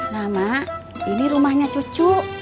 nah mak ini rumahnya cucu